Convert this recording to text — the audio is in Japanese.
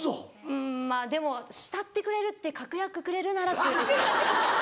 うんまぁでも慕ってくれるって確約くれるなら。